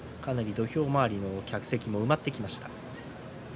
土俵周りの客席が埋まってきました。